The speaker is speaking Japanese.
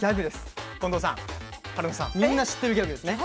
みんな知っているギャグですね。